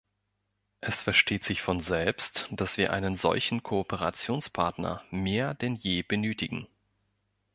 Es versteht sich von selbst, dass wir einen solchen Kooperationspartner mehr denn je benötigen.